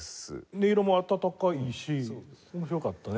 音色も温かいし面白かったね。